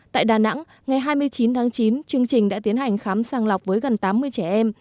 tại đà nẵng ngày hai mươi chín tháng chín chương trình đã tiến hành khám sàng lọc với gần tám mươi trẻ em